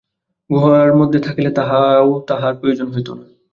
গুহার মধ্যে থাকিলে তাহাও তাঁহার প্রয়োজন হইত না।